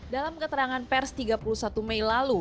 dalam keterangan pers tiga puluh satu mei lalu